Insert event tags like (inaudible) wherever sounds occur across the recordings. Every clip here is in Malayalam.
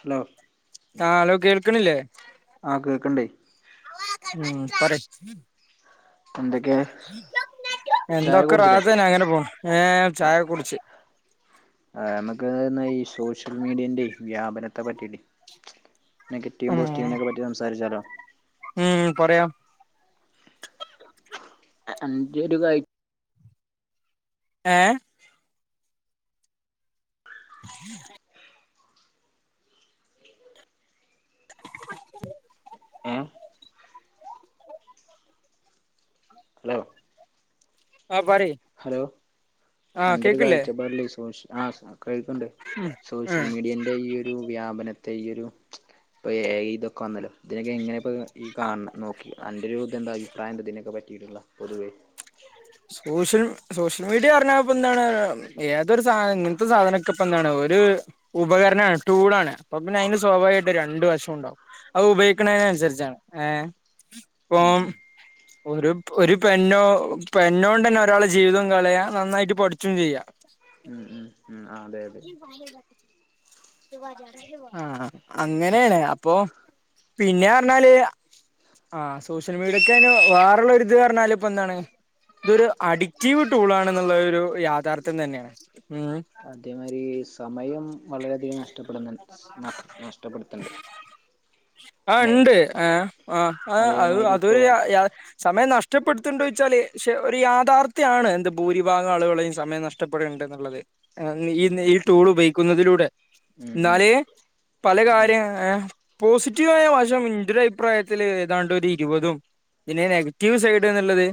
ഹലോ ഹലോ കേൾക്കണില്ലേ? ആഹ കേൾക്കണ്ട്. ഉം പറ എന്തൊക്കെയ ചായ എന്തൊക്കെ കുടിച്ചില്ലേ റാഹത്തന്ന അങ്ങനെ പോണ്ട് ഏ ചായൊക്കെ കുടിച്ച് ആ നമുക്ക് ഈ സോഷ്യൽ മീഡിയ്റെ വ്യാപനത്തെ പറ്റിട്ട നെഗറ്റീവും ഉം പോസിറ്റീവിനെറ്റി സംസാരിച്ചാലോ? ഉം പറയാം അഞ്ച ഒരു ക ഏ ഉം അ ഏഹ് ഹലോ ആഹ പറി ഹലോ അന്റെ ഒരു കാഴ്ചപ്പാടിൽ സോഷിയൽ മീഡിയ ആ കേൾക്കുണ്ട് ഉം ണ്ട് സോഷ്യൽ ഉം മീഡിയൻ്റെ ഈ ഒരു വ്യാപനത്തെ ഈ ഒരു ഇപ്പോൾ ഇതൊക്കെ വന്നല്ലോ ഇതിനൊക്കെ ഇങ്ങനെ ഇപ്പോൾ ഈ കാണ നോക്കി അൻ്റെ ഒരു ഇ അഭിപ്രായം ദിനക്ക പറ്റിയിട്ടില്ല പൊവേ സോഷ്യൽ സോഷ്യൽ മീഡിയ പററിഞ്ഞാപ്പ എന്താണ് ഏതൊരു സാ ഇങ്ങനത്തെ സാധനൊക്കെ ഇപ്പ എന്താണ് ഒരു ഉപകരണമാണ് ടൂളാണ് അപ്പൊ പിന്നെ അതിന് സ്വാഭാവികമായിട്ട് രണ്ട വശം ഉണ്ടാവും. അത് ഉപയോഗിക്കുന്നതിന അനുസരിച്ചാണ് ഏ ഇപ്പ ഉം ഉം ഒരു ഒരു പെനോ ഇപ്പൊ പെന്നോണ്ട് തന്നെ ഒരാളെ ജീവിതം കളയാ നന്നായിട്ട് പഠിച്ചും ചെയ്യാം. ആ അതെ അതെ ഹും ആഹ് അങ്ങനെയാണ് അപ്പൊ പിന്നെ പറഞ്ഞാല് ആഹ് സോഷ്യൽ മീഡിയോക്ക വേറൊള്ള ഇത് പറഞ്ഞാലും ഇപ്പൊ എന്താണ് ഇതൊരു അഡിക്റ്റീവ് ടൂൾ ആണെന്നുള്ളോ ഒര് യാഥാർത്ഥ്യം തന്നെയാണ് ഉം അതേമാരി സമയം വളരെ അധികം നഷ്ടപ്പെട്ന്ന്ണ്ട് നഷ്ടപ്പെടുത്ത്ണ്ട് ആഹ് ഇണ്ട് ആഹ് ആഹ് ആഹ് ആഹ് അതേമാതിരി ഇപ്പോ അതൊരു യാ യാ സമയം നഷ്ടപ്പെടുത്തിണ്ടോന്ന് ചോയിച്ചില് ശേ ഒരു യാഥാർത്ഥ്യാണ് എന്ത് ഭൂരിഭാഗം ആളുകളെയും സമയം നഷ് കഷ്ടപ്പെട് ഇണ്ട് എന്ന് ഇള്ളത് ഈ ഈ ടൂള് ഉപയോഗിക്കുന്നാ അതിലൂടെ ഉം ഉം എന്നാല് പല ആ കാര്യാ യെ പോസിറ്റീവായ വശം (unintelligible) അഭിപ്രായത്തില് ഏതാണ്ട് ഒരു ഇരുപതും ഇതിന് നെഗറ്റീവ് സൈഡ്ന്ന് ഇള്ളത്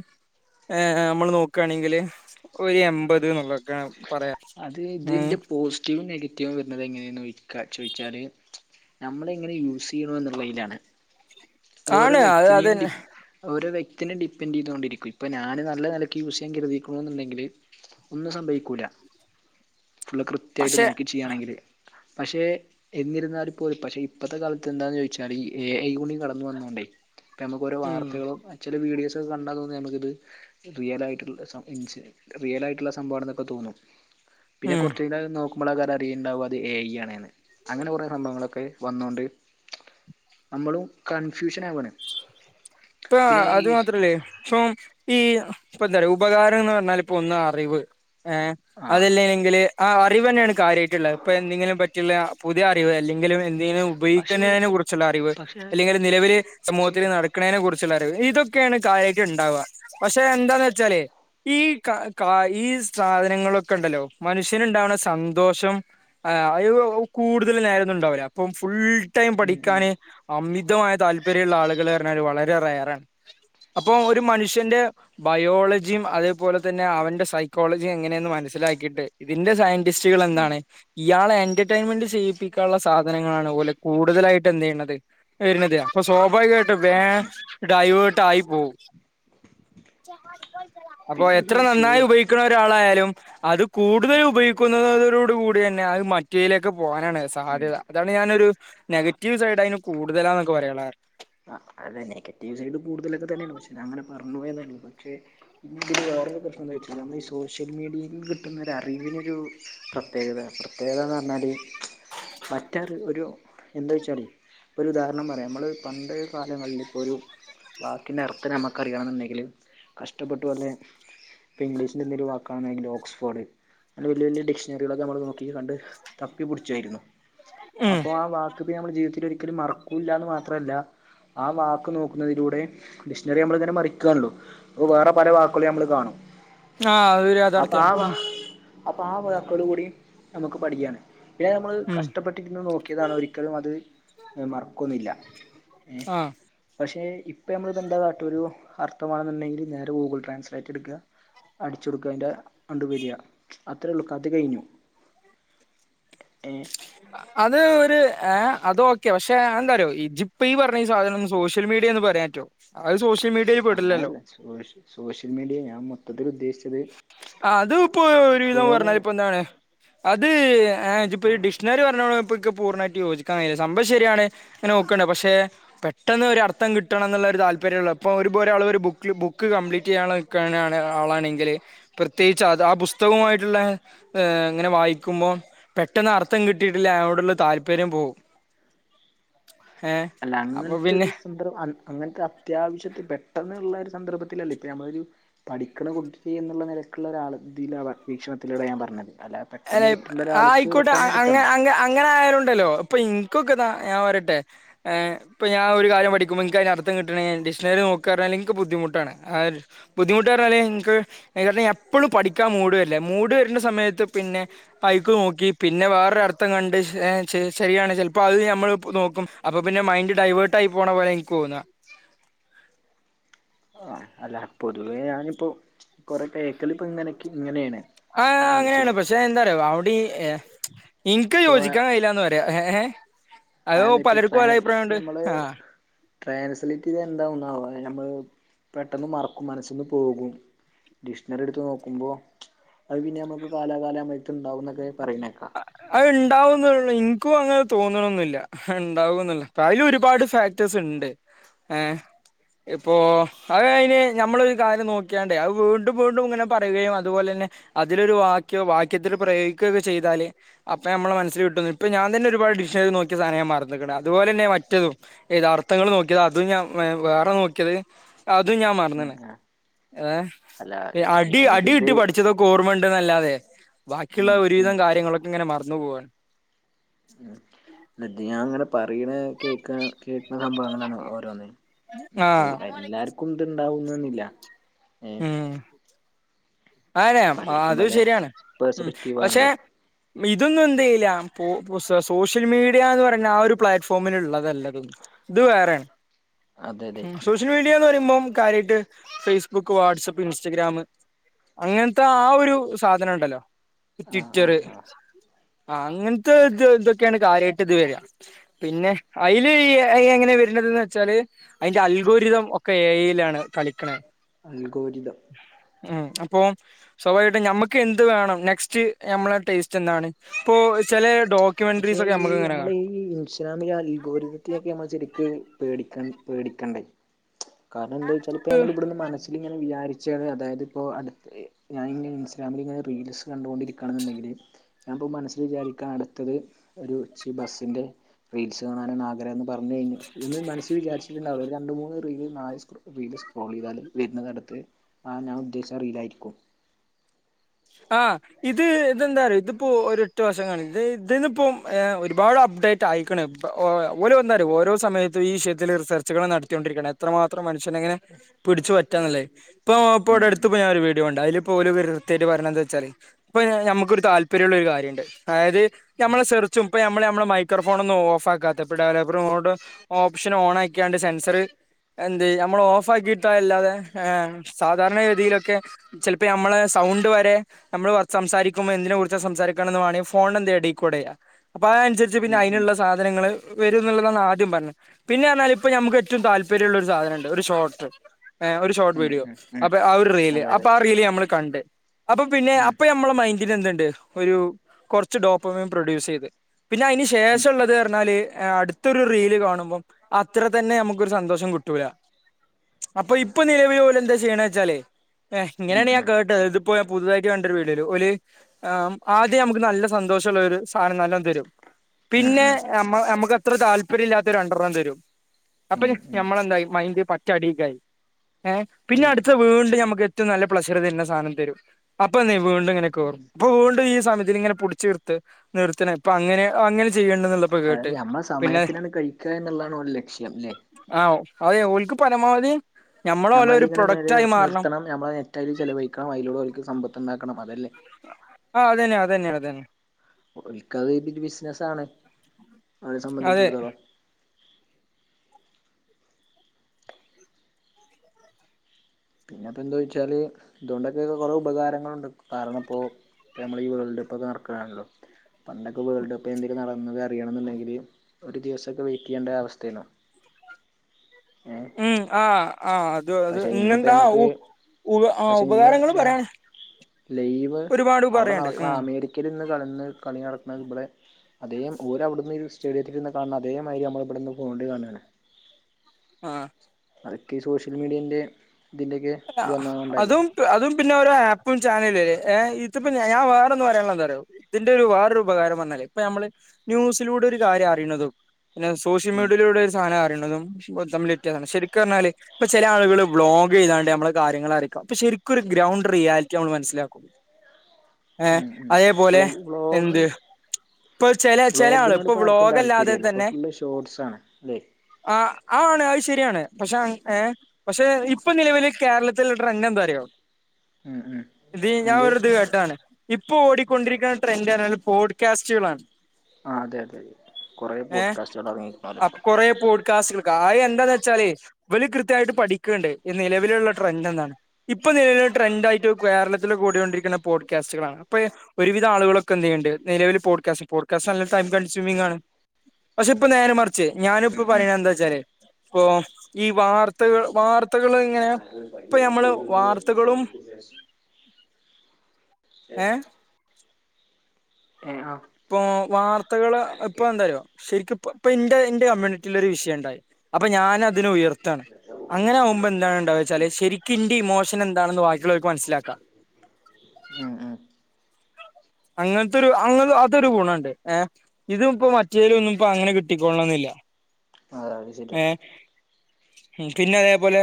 യെ യെ നമ്മള് നോക്കുവാണെങ്കില് ഒരു എൻമ്പത് എന്നോള്ളക്കാ അത് ഇതിന്റെ പോസിറ്റീവും നെഗറ്റീവും വെരന്നത് എങ്ങനെയന്ന് ക ചോയിച്ചാല് നമ്മള് എങ്ങനെ യൂസ് ചെയ്യണ എന്നുള്ളതിനാണ് അത് ഓരോ ആണ് അത് വ്യക്തിനനെയും ഡി അതന്നെ ഓരോ വ്യക്തിനെ ഡിപ്പെെൻഡ് ചെയ്തൊണ്ടിരിക്കും ഇപ്പോ ഞാന് നല്ലാ നെലക്ക് യുസ് ചെയ്യാൻ കരുതിക്കണേന്ന് ഇണ്ടെങ്കില് ഒന്നും സംഭവിക്ക്യുല്ലാ ഫുളള് കൃത്യായിട്ട് പക്ഷെ നോക്കി ചെയ്യുകയാണെങ്കില് പക്ഷേ എന്നിരുന്നാലും പോയി പക്ഷേ ഇപ്പത്തെ കാലത്ത് എന്താന്ന് ചോയിച്ചാല് ഈ ഈ എ ഐ കടന്ന് വന്നോണ്ടേ നമ്മക്ക് ഓരോ ഉം വാർത്തകളും അച്ചടി വീഡിയോസ് ഒക്കെ കണ്ടാ തോന്നും നമ്മക്ക് ഇത് റിയൽ ആയിട്ടുള്ള (unintelligible) റിയൽ ആയിട്ടുള്ള സംഭവാണാന്നോക്കെ തോന്നും പിന്നെ ഉം കോറച്ച ക നോക്കുമ്പോള് (unintelligible) അറിയുണ്ടാവ്യാ അത് എ ഐ അങ്ങനെ കൊറേ സംഭബങ്ങളൊക്കെ വന്നോണ്ട് നമ്മളും കൺഫ്യൂഷൻ ആവണ് ഇപ്പ അത് മാത്രാ അല്ലാ ഇപ്പം ഈ ഇപ്പൊ എന്താ പറയോ ഉപകാരം എന്ന് പറഞ്ഞാല് ഇപ്പോ ഒന്ന് അറിവ് യെ ആ അത് അല്ലോങ്കില് ആഹ് അറിവ് തന്നെയാണ് കാര്യായിട്ട് ഒള്ളേ ഇപ്പേ എന്തങ്കിലും പറ്റില്ലാ പുതിയ അറിവ് അല്ലെങ്കിലും പക്ഷേ എന്തെങ്കിലും (unintelligible) കുറിച്ചോള്ള അറിവ് പക്ഷേ അല്ലെങ്കില് നിലവില് സമൂഹത്തില് ഉം നടക്കുന്നോതിനെ കുറി ചുള്ളാ അറിവ് ഇതൊക്കെയാണ് കാര്യായിട്ട് ഇണ്ടാവാ പക്ഷേ എന്താന്ന് വെച്ചാലോ ഈ കാ കാ ഈ സാധനങ്ങളൊക്കെ ഇണ്ടല്ലോ മനുഷ്യന് ഇണ്ടാവാണാ സന്തോഷം ആഹ് (unintelligible) കൂടുതല് നേരന്നും ഇണ്ടാവില്ലാ അപ്പം ഫുള്ള് ടൈം ഉം പഠിക്കാന് അമിതമായ താല്പര്യള്ളാ ആളുകള് പറഞ്ഞാല് വളരെ റേയറാണ് അപ്പൊ ഒരു മനുഷ്യന്റെ ബയോളജിയും അതേപോലെ തന്നെ അവന്റെ സൈ കോളാജിയും എങ്ങനെയെന്ന് മനസ്സിലാക്കിയിട്ട് ഇതിന്റെ സൈന്റിസ്റ്റുകള് ഉം എന്താണ് ഇയാളെ എന്റർടൈൻമെന്റ് ചെയ്യിപ്പിക്കാനോള്ള സാധനങ്ങളാണ് പോലെ കൂടുതലായിട്ട് എന്ത് ചെയ്യണത് വേരാണത് അപ്പൊ സ്വാഭാവികമായിട്ടും വേൻ ഡൈവേർട്ട് ആയി പോവും അപ്പൊ പിന്നെ എത്ര ഈ സോ നന്നായി ഉപയോഗിക്കണേ ഒരാളായാലും അതും കൂടുതല് ഉപയോഗിക്കുന്നതോട് കൂടി തന്നെ അത് മറ്റേലേക്ക് പോകാനാണ് ഉം സാധ്യത അതാണ് ഞാന് ഒരു നെഗറ്റീവ് സൈഡ് അയിന് കൂടുതലാന്നൊക്കെ പറയാനേ ആഹ് അതെ നെഗറ്റീവ് സൈഡ് കൂടുതലൊക്കെ തന്നെയാണ് പക്ഷേ ഞാന് അങ്ങന പറഞ്ഞ് പോയന്നള്ളൂ പക്ഷേ പിന്നെ ഇപ്പം വേറൊരു പ്രശ്നം എന്താന്ന് വച്ചാൽ നമ്മള് ഈ സോഷ്യൽ മീഡിയിൽ നിന്ന് കിട്ടുന്ന അറിവ് ഒരു പ്രത്യേകത പ്രത്യേകതാ എന്ന് പറഞ്ഞാല് മറ്റേത് ഒരു എന്താ വെച്ചാല് ഒരു ഉദാഹരണം പറയാം നമ്മള് പണ്ട് കാലങ്ങളി ഇപ്പോ ഒരു വാക്കിൻ്റെ അർത്ഥം നമുക്കറിയണം എന്ന് ഇണ്ടെങ്കില് കഷ്ടപ്പെട്ടു അല്ലെ ഇപ്പൊ ഇംഗ്ലീഷിന്റെ എന്തേങ്കിലും ഒരു വാക്കാണെങ്കിലോ ഓക്സ്ഫോഡ് അങ്ങനെ വല്ല്യ വല്ല്യ ഡിക്ഷണറികളൊക്കെ ഞമ്മള് നോക്കി കണ്ട് തപ്പിപ്പിടിച്ച് ആയിരുന്നു ഉം അപ്പൊ ആ വാക്ക് പിന്നെ ഞമ്മള് ജീവിതത്തില് ഒരിക്കലും മറക്കൂല്ലന്ന് മാത് മാത്രല്ല ആ വാക്ക് നോക്കുന്നതിലൂടെ ഡിക്ഷണറി ഞമ്മള് ഇങ്ങനെ മറിക്ക്യണാല്ലോ അപ്പൊ വേറെ പല വാക്കുകളും ഞമ്മള് കാണും ആ അതൊരു അപ്പൊ ആ യാഥാർത്ഥ്യമാണ് വാ ഉം അപ്പൊ ആ വാക്കുകൾ കൂടി ഞമ്മക്ക് പഠിക്ക്യയാണ് പിന്നെ ഞമ്മള് ഉം കഷ്ടപ്പെട്ട് (unintelligible) നോക്കിയതാണ് ഒരിക്കലും അത് മറക്കൊന്നുയില്ല യെ ആ പശേ ഇപ്പൊ ഞമ്മള് ഇത് എന്താട്ടൊരു അർത്ഥം വേണോന്ന് ഇണ്ടെങ്കി നേരെ ഗൂഗിൾ ട്രാൻസ്ലേറ്റ് എട്ക്ക്യാ അടിച്ചു കൊടുക്ക അതിൻ്റെ അണ്ട് വെര അത്ര ഉള്ളു കഥ കഴിഞ്ഞു ഏ അത് ഒരു ഏ അത് ഓക്കെ പക്ഷെ അതെന്താ അറിയോ ഇജിപ്പവ ഈ പറഞ്ഞ ഈ സാധനം സോഷ്യൽ മീഡിയ എന്ന് പറയാ പറ്റോ അത് സോഷ്യൽ മീഡിയയിൽ പെടില്ലല്ലോ അങ്ങനെയല്ല സോഷ്യ സോഷ്യൽ മീഡിയ ഞാൻ മൊത്തത്തിൽ ഉദ്ദേശിച്ചു ആ അത് ഇപ്പൊ ഒരു വിധം ഫോണ് പറഞ്ഞതിരി ഇപ്പൊ എന്താണ് അത് ഹെ ഇജിപ്പോ ഈ ഡിക്ഷണറി പറഞ്ഞോ ഇപ്പക്ക് പൂർണായിട്ട് യോജിക്കാൻ കഴിയൂല സംഭവം ശരിയാണ് ങ്ങനെ നോക്കണ്ട് പക്ഷെ പെട്ടെന്ന് ഒരു അർത്ഥം കിട്ടണം എന്നുള്ള ഒരു താല്പര്യം ഉള്ള ഇപ്പൊ ഒരു ഇപ്പോ ഒരു ആള് ഒരു ബുക്കില് ബുക്ക് കംപ്ലീറ്റ് ചെയ്യാനിള്ളെ ക്കെ ക്കെ ആളാണെങ്കിൽ പ്രത്യേകിച്ച് അത് ആ പുസ്തകവുമായിട്ടുള്ള ഏ ഇങ്ങനെ വായിക്കുമ്പോം പെട്ടെന്ന് അർത്ഥം കിട്ടിയിട്ടില്ല അതിനോടുള്ള താല്പര്യം പോവും അല്ല അപ്പൊ അങ്ങനത്തൊരു പിന്നെ സം അങ്ങനത്തെ അത്യാവശ്യത്തിൽ പെട്ടന്നുള്ള ഒരു സന്ദർഭത്തിലല്ലേ ഇപ്പൊ നമ്മളൊരു പഠിക്കണ കുട്ടി എന്നുള്ള നിലക്കുള്ള ഒരാൾ ഇതിലാ വീക്ഷണത്തിലൂടെ ഞാൻ പറഞ്ഞത് അല്ലാ അല്ലെ ആ ആയിക്കോട്ടെ അ അങ്ങ അങ്ങ അങ്ങനെ ആയാലും ഉണ്ടല്ലോ ഇപ്പൊ ഇനികൊക്കെ ഇതാ ഞാൻ പറയട്ടെ ഹെ ഇപ്പൊ ഞാൻ ഒരു കാര്യം പഠിക്കുമ്പോ എനിക്ക് അതിന്റെ അത്ഥം കിട്ടണെങ്കി ഡിക്ഷണറി നോക്കാ പറഞ്ഞ എനിക്ക് ബുദ്ധിമുട്ടാണ് ബുദ്ധിമുട്ട് പറഞ്ഞാല് എനിക്ക് (unintelligible) എപ്പോഴും പഠിക്കാൻ മൂട് വരില്ലേ മൂട് വരണ്ട സമയത്ത് പിന്നെ ഇപ്പൊ അയ്ക്കു നോക്കി പിന്നെ വേറൊരർത്ഥം കണ്ട് ശരിയാണ് ചിലപ്പോ അത് ഞമ്മൾ നോക്കും അപ്പൊ പിന്നെ മൈൻഡ് ഡൈവേർഡ് ആയി പോണ പോലെ എനിക്ക് തോന്ന. ആ അല്ല പൊതുവെ ഞാനിപ്പോ കൊറെ കേക്കൽ ഇപ്പൊ ഇങ്ങനെ ഇങ്ങനെയാണ് ആ് അങ്ങനെയാണ് പക്ഷെ എന്താറിയൊ അവിടിം ഹെ ഇന്ക്ക് അഹ് ഇപ്പൊ യോജിക്കാൻ കഴയില്ലാന്ന് പറയാ അതൊ അല്ല ഇപ്പ പലർക്കും പല അഭിപ്രായമുണ്ട് ആഹ് ട്രേൻസിലിറ്റിത് എന്താവുനാവം ഞമ്മള് പെട്ടെന്ന് മറക്കും മനസ്സിന്ന് പോകും. ഡിക്ഷഷണറി എടുത്ത് നോക്കുമ്പോൾ അത് പിന്നെ നമുക്ക് കാലാകാലം നമ്മളെ ത്ത് ഉണ്ടാകും എന്നൊക്കെ പറയുന്നേ കേക്കാം അഹ് ഇണ്ടാവുന്നുള്ളു എനിക്കും അങ്ങനെ തോന്നണൊന്നുല്ല ഇണ്ടാവൊന്നുള്ള പ്പൊ അയില് ഒരുപാട് ഫാക്ടേഴ്സ് ഉണ്ട് ഏ ഇപ്പേ അഹ് അയിന് നമ്മളൊരു കാര്യം നോക്കിയാണ്ടേ അത് വീണ്ടും വീണ്ടും ഇങ്ങനെ പറയുകയും അതുപോലെ തന്നെ അതിലൊരു വാക്യ വാക്യത്തിൽ പ്രയോഗിക്കുകക്കെ ചെയ്താല് അപ്പൊ നമ്മള് മനസ്സിൽ കിട്ടുന്നു ഇപ്പ ഞാൻ തന്നെ ഒരുപാട് ഡിക്ഷണറി നോക്കിയ സാനം ഞാൻ മറന്ന്ക്കണ് അതുപോലെ തന്നെ മറ്റതും ഏതാ അർത്ഥങ്ങൾ നോക്കിയത് അതും ഞാൻ വേറെ നോക്കിയത് അതും ഞാൻ ഉം മറന്ന്ണ് ഉം അല്ല ഏ അടി ഞാനിപ്പ അടി ഇത് കിട്ടി പഠിച്ചതും ക്ക് ഓർമ ഇണ്ട്ന്ന് അല്ലാതെ ബാക്കിയുള്ള ഉം ഒരുവിധം ഉം കാര്യങ്ങളൊക്കെ ഇങ്ങനെ മറന്നു പോകാണ് മ് ത് ഇത് ഞാൻ അങ്ങനെ പറയണെ കേക്കാ കേക്കുന്ന സംഭവങ്ങളാണ് ഓരോന്ന് ഇത്പ്പോ ആഹ് എല്ലാർക്കും ഇത് ഇണ്ടാവുന്നന്നില്ല ഏ ഉം അതെ ആ പലർക്കും അതും പല ശരിയാണ് ഉം പേഴ്സ്പെക്റ്റീവ് പക്ഷെ ആണല്ലോ ഇതൊന്നും എന്തെയ്യില്ല പേ സോഷ്യൽ മീഡിയാ എന്ന് പറഞ്ഞ ആ ഒരു പ്ലാറ്റ്ഫോമിൽ ഉള്ളതെല്ലാ ഇതൊന്നും ഇത് വേറെണ് അതെ അതെ സോഷ്യൽ മീഡിയാന്ന് പറയുമ്പം കാര്യമായിട്ട് ഫേസ്ബുക്ക് വാട്സ്ആപ്പ് ഇൻസ്റ്റാഗ്രാം അങ്ങനത്തെ ആ ഒരു സാധനം ഉണ്ടല്ലോ ആഹ് ആഹ് ട്വിറ്ററ് ആഹ് ആ അങ്ങനത്തെ ഇത് ഇതൊക്കെയാണ് കാര്യമായിട്ട് ഇത് വെര പിന്നെ അയില് ഈ അ ഐ എങ്ങനെ വരുന്നത് വെച്ചാല് അയിന്റെ അൽഗുരിതം ഒക്കെ എ ഐ യിലാണ് കളിക്കണെ അൽഗോരിതം ഉം അപ്പൊ സ്വാഭമായിട്ട് നമ്മുക്ക് എന്ത് വേണം നെസ്റ്റ് നമ്മളെ ടേസ്റ്റ് എന്താണ് ഇപ്പൊ ചില പക്ഷെ ഡോക്യൂമെന്ററീസ് ഒക്കെ നമുക്ക് ഇങ്ങനെ കാണാ ഈ ഇൻസ്റ്റാഗ്രാമിലെ അൽഗോരിതത്തിലൊക്കെ നമ്മള് ശരിക്ക് പേടിക്ക പേടിക്കണ്ടേ കാരണം എന്താ വെച്ചാൽ ഇപ്പ നമ്മള് ഇവിടുന്ന് മനസ്സിൽ ഇങ്ങെ വിചാരിച്ചണ് അതായത് ഇപ്പോ ഞാനിങ്ങനെ ഇൻസ്റ്റാഗ്രാമില് ഇങ്ങനെ റീൽസ് കണ്ടു കൊണ്ടിരിക്കാണ് ഉണ്ടെങ്കില് ഞാനിപ്പോൾ മനസ്സിൽ വിചാരിക്കാണ്. ത്തത് ഒരു ഇച്ച് ബസ്സിൻ്റെ റീൽസ് കാണാനാഗ്രഹം ന്ന്. പറഞ്ഞു കഴിഞ്ഞ് ഇതൊന്നും മനസ്സിൽ വിചാരിച്ചിട്ടുണ്ടാവില്ല ഒരു രണ്ട് മൂന്ന്. വീഡിയോ നാല് വീഡിയോ സ്ക്രോൾ ചെയ്താൽ വരുന്നത് അടുത്ത് ആ ഞാൻ ഉദ്ദേശിച്ച റീൽ ആയിരിക്കുമോ? ആ ഇത് ഇതെന്താറിയോ ഇതിപ്പോ ഒരു എട്ട് വർഷം ഇത് ഇതിന് ഇപ്പോ ഒരുപാട് അപ്ഡേറ്റ്. ആയിക്കണ്, ഓല് ഇപ്പോ എന്താറിയോ ഓരോ സമയത്തും ഈ വിഷയത്തിൽ റിസർച്ചുകൾ നടത്തി കൊണ്ടിരിക്കുയാണ് എത്രമാത്രം മനുഷ്യനിങ്ങനെ. പിടിച്ചു പറ്റാന്നള്ളേ ഇപ്പോ ഇപ്പോ ഉം അടുത്ത് പ്പോ ഞാൻ ഒരു വീഡിയോ കണ്ടു അയില് ഇപ്പോ ഓല് തെറ്റ് പറയുന്നത് എന്താ വെച്ചാല് ഇപ്പോ നമുക്കൊരു താല്പര്യമുള്ള ഒരു കാര്യം ഉണ്ട് അതായത് നമ്മളെ സെർച്ചും. ഇപ്പോ നമ്മള് നമ്മള് മൈക്രോഫോണ് ഒന്നും ഓഫാക്കാത്ത അപ്പം ഡവലപ്പർ മോഡും. ഓപ്ഷൻ ഓൺ ആക്കിയാണ്ട് സെൻസറ്. എന്തേ നമ്മൾ ഓഫ് ആക്കിയിട്ടല്ലാതെ സാധാരണഗതിയിലൊക്കെ. ചിലപ്പോ നമ്മളെ സൗണ്ട്. വരെ നമ്മള് സംസാരിക്കുമ്പോ എന്തിനെ കുറിച്ചാ സംസാരിക്കണം എന്ന് വാണേ ഫോണിന് എന്തേ ഡീകോഡ് ചെയ്യാം അപ്പോ അതനുസരിച്ച് പിന്നെ ഉം ഉം അതിനുള്ള സാധനങ്ങള് വരും എന്നുള്ളതാണ് ആദ്യം പറഞ്ഞത്. പിന്നെ പറഞ്ഞാല് ഇപ്പ നമുക്ക് ഏറ്റവും താല്പര്യമുള്ള ഒരു സാധനം ഉണ്ട്, ഒരു ഷോർട്ടറ്. ഒരു ഷോർട്ട് ഉം വീഡിയോ ഉം ഉം അപ്പോ ആ ഒരു റീല് അതെ അപ്പോ അതെ ആ റീല് നമ്മള് കണ്ട് അപ്പോ പിന്നെ ഉം അപ്പ ഞമ്മ മ്മളെ മൈൻഡിൽ എന്തുണ്ട് ഒരു കുറച്ച് ഡോപ്പമിൻ പ്രൊഡ്യൂസ് ചെയ്ത് പിന്നെ അതിന് ശേ ശേഷ ഉം ഉള്ളത് പറഞ്ഞാല് അടുത്തൊരു റീല് കാണുമ്പം അത്ര തന്നെ നമുക്കൊരു സന്തോഷം കിട്ടൂല. അപ്പോ ഇപ്പോ നിലവില് ഓല് എന്താ ചെയ്യണച്ചാലേ ഉം ഇങ്ങനെയാണ് ഞാൻ ഉം കേട്ടത്. ഇപ്പോ പുതുതായിട്ട് കണ്ടൊരു വീഡിയോൽ ഓല്. ആഹ് ആദ്യം നമുക്ക് നല്ല സന്തോഷ ഉള്ളൊരു സാധനം നല്ലോം തരും. ഉം പിന്നെ ഉം നമുക്ക് അത്ര താല്പര്യം ഇല്ലാത്ത രണ്ടെണ്ണം തരും. അപ്പോ ഉം ഉം ഞമ്മളെന്തായി മൈൻഡ് പറ്റെ അടീക്കായി. ഏഹ് പിന്നെ ഉം അടുത്ത വീണ്ടും നമ്മുക്ക് ഏറ്റവും നല്ല പ്ലഷർ തരുന്ന സാധനം തരും അപ്പോന്നെ വീണ്ടും ഇങ്ങനെ. അപ്പോ വീണ്ടും ഈ സമയത്തിനെ ഇങ്ങനെ പുടിച്ച് നിർത്ത് നിർത്തണ ഇപ്പ അങ്ങനെ അങ്ങനെ ചെയ്യുന്നുണ്ട് എന്നുള്ള അതായത് നമ്മളെ സമയത്തിനാണ് കഴിക്കുക എന്നുള്ളതാണ് ഒലെ ലക്ഷ്യം അല്ലേ? ആഹ് അതെ ഓല്ക്ക് പരമാവധി ഞമ്മള് ഓലെ ഒരു നമ്മളതിലിങ്ങനെ നില പ്രൊഡക്റ്റ് ആയി മാറണം. നിർത്തണം നമ്മളെ നെറ്റായില് ചിലവഴിക്കണം അതിലൂടെ ഓല്ക്ക് സമ്പത്ത് ഉണ്ടാക്കണം അതല്ലേ. ആഹ് അതന്നെ അതന്നെ അതന്നെ. ഓല്ക്ക് അത് ഒരു ബിസിനസാണ് അവരെ അതെ സംബന്ധിച്ചടുത്തോളം. പിന്നെപ്പോ എന്താ ചോയിച്ചാല് ഇതൊണ്ടെക്കെ കുറെ ഉപകാരങ്ങളുണ്ട് കാരണം ഇപ്പോ. ഇപ്പോ നമ്മള് ഈ വേൾഡ്കപ്പോക്കെ നടക്കാണല്ലോ പണ്ടൊക്കെ വേൾഡ് കപ്പ് എന്തെലും നടന്നത് അറിയണെന്നുണ്ടെങ്കില്. ഒരു ദിവസൊക്കെ വെയിറ്റ് ചെയ്യേണ്ട അവസ്ഥയിനു ഏഹ്. ഉം ആഹ് ആഹ്. പക്ഷേ ഇന്നിപ്പോ നമ്മക്ക് ആ പക്ഷേ ഇന്ന് ഉപകാരങ്ങൾ ഇതാ. പറയാൻ ലൈവ് ഒരുപാട് അവിടെ പറയാണ്ട് നടക്കുന്ന ഉം അമേരിക്കയിൽ ഇന്ന് കളിയിന്ന് കളി നടക്കുന്ന ഇവിടെ. അതേ ഓര് അവിടുന്ന് ഒരു സ്റ്റേഡിയത്തിൽ ഇരുന്ന് കാണുന്ന അതേമാതിരി നമ്മൾ ഇവിടെ യിന്ന് ഫോണിൽ കാണുകാണ്. ആഹ്. അതൊക്കെ ഈ സോഷ്യൽ മീഡിയാന്റെ ഇതിന്റെയൊക്കെ ഇത് വന്ന കൊണ്ട് അല്ലേ. അതും അതും പിന്നെ ഒരോ ആപ്പും ചാനലും അല്ലേ, ഇതിപ്പേ ഞാൻ വേറെ ഒന്ന് പറയാൻ ഉള്ളത് എന്തറിയോ. ഇതിന്റെ ഒരു വേറൊരു ഉപകാരം പറഞ്ഞാൽ ഇപ്പോ നമ്മള് ന്യൂസിലൂടെ ഒരു കാര്യം അറിയുന്നതും പിന്നെ. സോഷ്യൽ ഉം മീഡിയയിലൂടെ ഒരു സാനം അറിയുന്നതും തമ്മിൽ വ്യത്യാസമുണ്ട് ശരിക്ക് പറഞ്ഞാല് ഇപ്പോ ചില ആളുകള് വ്ലോഗ് ചെയ്താണ്ട്. നമ്മളെ കാര്യങ്ങൾ അറിയിക്കാം അപ്പോ ശരിക്കൊരു ഗ്രൗണ്ട് റിയാലിറ്റി നമ്മള് മനസിലാക്കും. ഏഹ് ഉം ഉം അതേപോലെ ബ്ലോ ബ്ലോഗ് എന്ത്. ഇപ്പോ ചെലെ ചെലെ ആള് ബ്ലോഗിനോട് ഇപ്പോ ഇപ്പോൾ ആർക്കും വ്ലോഗ് അല്ലാതെ താല്പര്യമല്ല ഇപ്പോൾ തന്നെ. ഫുള്ള് ഷോർട്സാണ് അല്ലേ ആഹ് ആഹ് ആണ് അത് ശരിയാണ്, പക്ഷേ ഏഹ് പക്ഷേ ഇപ്പോ നിലവില്. കേരളത്തിൽ ഉള്ള ട്രെൻഡ് എന്താറിയോ, ഉം ഉം ദി ഞാൻ എന്ത് ഒരു ഇത് കേട്ടാണ്. ഇപ്പോ ഓടിക്കൊണ്ടിരിക്കുന്ന ട്രെൻഡ് പറഞ്ഞാല് പോഡ്കാസ്റ്റുകളാണ്. ആഹ് അതെ അതെ കുറെ പോഡ്കാസ്റ്റുകൾ ഇറങ്ങിക്കണല്ലോ ഇപ്പം. കൊറെ പോഡ് (unintelligible) ആയി എന്താന്ന് വെച്ചാല് ഇവല് കൃത്യായിട്ട് പഠിക്കണ്ട് ഈ നിലവിലുള്ള ട്രെൻഡ് എന്താണ് ഇപ്പൊ നിലവില് ട്രെൻഡ് ആയിട്ട് കേരളത്തിൽ കൂടിയോണ്ടിരിക്കുന്നെ പോഡ്കാസ്റ്റുകളാണ് അപ്പൊ ഒരുവിധ ആളുകളൊക്കെ എന്ത് ചെയ്യ്ന്നുണ്ട് നിലവിൽ പോഡ്കാസ്റ്റ് പോഡ്‌കാസ്റ്റ് നല്ല ടൈം കൺസ്യൂമിംങ് ആണ് പക്ഷെ ഇപ്പ നേരെ മറിച്ച് ഞാനും ഇപ്പ ഉം ഉം പറയണ എന്താ വെച്ചാല് പ്പം ഈ വാർത്തകൾ വാർത്തകൾ ഇങ്ങനെ ഇപ്പൊ ഞമ്മള് വാർത്തകളും ഏഹ് ഏഹ് ആഹ ഇപ്പൊ വാർത്തകള് ഇപ്പൊ എന്താറിയോ ശരിക്ക് ഇപ്പ ഇന്റെ എന്റെ കമ്മ്യൂണിറ്റീല് ഒരു വിഷയം ഇണ്ടായി അപ്പൊ ഞാനതിനെ ഉയർത്താണ് അങ്ങനെ ആവുമ്പോ എന്താണ് ഇണ്ടാവാ വെച്ചാല് ശരിക്കിന്റെ ഇമോഷൻ എന്താണ് ന്ന് ഭാക്കിയിള്ളോലിക്ക് മനസ്സിലാക്കാം ഉം ഉം അങ്ങനത്തൊരു അങ്ങന അതൊരു ഗുണണ്ട് ഏഹ് ഇതും ഇപ്പോ മറ്റേലും ഉം ഒന്നും ഇപ്പൊ അങ്ങനെ കിട്ടിക്കോളണന്നില്ല (unintelligible) ഏഹ് പിന്നെ അതേപോലെ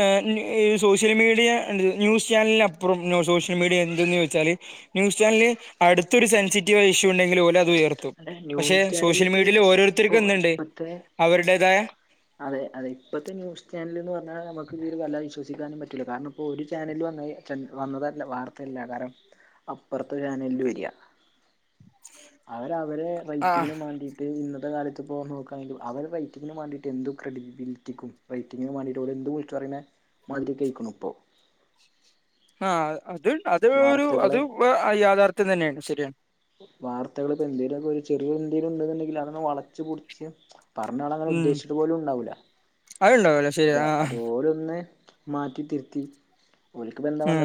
ഏഹ് ന്യു ഈ സോഷ്യൽ മീഡിയാ ന്യൂസ് ചാനലിനപ്പുറം സോഷ്യൽ മീഡിയാ എന്ത്ന്ന് ചോദിച്ചാല് ന്യൂസ് ചാനലില് അടുത്തൊരു സെൻസിറ്റീവ് ആ ഇഷ്യൂ ഇണ്ടെങ്കില് ഓലത് ഉയർ ത്തും അല്ല പക്ഷെ ന്യൂസ് സോഷ്യൽ ചാനലിപ്പ മീഡിയയിൽ ഇപ്പൊ ഓരോരുത്തർക്കും എന്ത്ണ്ട് ഇപ്പത്തെ അവരുടേതായ അതെ അതെ ഇപ്പഴ്ത്തെ ന്യൂസ് ചാനല്ന്ന് പറഞ്ഞാ നമ്മക്ക് ഇവരെ വല്ലാതെ വിശ്വസിക്കാനും പറ്റൂല കാരണം ഇപ്പൊ ഒരു ചാനല് വന്ന ച വന്നതല്ല വാർത്തയല്ല കാരണം അപ്പറത്തെ ചാനലില് വെരാ അവര് അവരെ ആഹ് റെയിറ്റിങ്ങിന് മാണ്ടി (unintelligible) ഇന്നത്തെ കാലത്ത് ഇപ്പോ നോക്കാണെങ്കിലും അവരെ റെയറ്റിങ്ങിനും മാണ്ടീറ്റ് എന്ത് ക്രെഡിബിലിറ്റിക്കും റെയിറ്റിങ്ങിനും മാണ്ടീറ്റ് ഓല് എന്തും വിളിച്ച് പറയണ മാതിരിയെക്കെ ആയിക്കണു ഇപ്പം ആഹ് അത് അത് ഒരു അത് വാർത്തകളെ ആഹ് യാഥാർഥ്യം തന്നെയാണ് ശരിയാണ് വാർത്തകള് ഇപ്പോ എന്തേലുമൊക്കെ ഒരു ചെറിയൊരു എന്തേലു ഇണ്ട്ന്ന്ണ്ടെങ്കില് അതൊന്ന് വളച്ച് പൊടിച്ച് പറഞ്ഞാള് അങ്ങനെ ഉം ഉദ്ദേശിച്ചിട്ട് പോലും ഉണ്ടാവൂല അതുണ്ടാവല്ലോ ശരി ഇത അത് ആഹ് ഓലൊന്ന് മാറ്റി തിരുത്തി ഓൽക്ക് ഇപ്പ എന്താ വേണ്ടെ ഉം